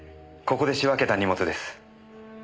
ここで仕分けた荷物です。